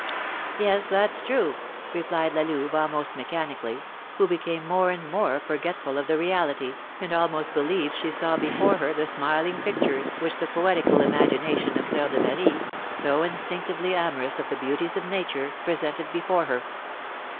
"Yes, that's true," replied La Louve, almost mechanically, who became more and more forgetful of the reality, and almost believed she saw before her the smiling pictures which the poetical imagination of Fleur de Marie, so instinctively amorous of the beauties of nature, presented before her.